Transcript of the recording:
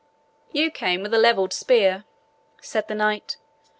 "You came with levelled spear," said the Knight.